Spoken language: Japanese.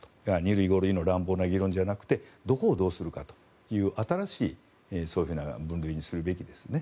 ２類から５類という乱暴な議論ではなくてどこをどうするかという新しいそういう分類にするべきですよね。